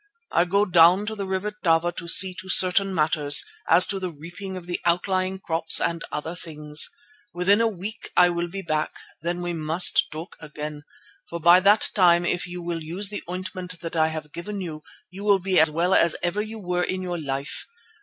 I go down to the River Tava to see to certain matters, as to the reaping of the outlying crops and other things. Within a week I will be back; then we must talk again, for by that time, if you will use the ointment that I have given you, you will be as well as ever you were in your life.